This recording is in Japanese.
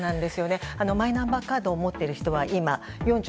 マイナンバーカードを持っている人は今４９．５％。